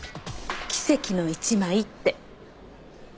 「奇跡の一枚」って。